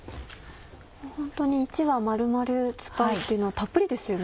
ホントに１わ丸々使うっていうのはたっぷりですよね。